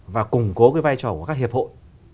và củng cố cái vai trò của các hiệp hội